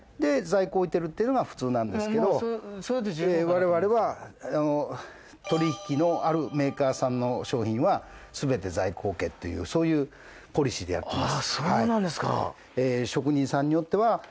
我々は取引のあるメーカーの商品は全て在庫を置けというそういうポリシーでやっています。